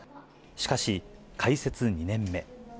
しかし、開設２年目。